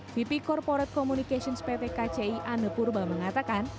vp corporate communications pt kci andepurba mengatakan